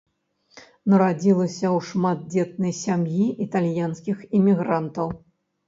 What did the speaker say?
Нарадзілася ў шматдзетнай сям'і італьянскіх імігрантаў.